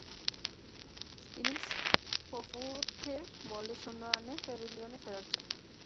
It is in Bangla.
তিনি স্পফোর্থের বলে শূন্য রানে প্যাভিলিয়নে ফেরৎ যান।